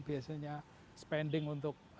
biasanya spending untuk